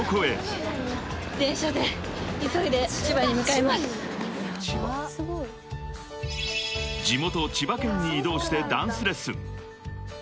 ［地元千葉県に移動してダンスレッスン］